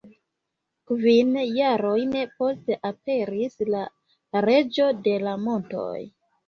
Kvin jarojn poste aperis La Reĝo de la Montoj.